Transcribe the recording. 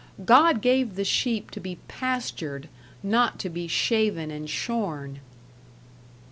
God gave the sheep to be pastured, not to be shaven and shorn.